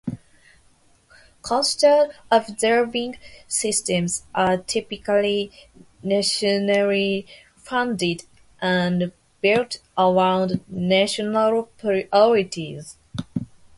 Coastal observing systems are typically nationally funded and built around national priorities.